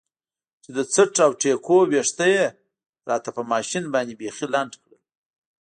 چې د څټ او ټېکونو ويښته يې راته په ماشين باندې بيخي لنډ کړل.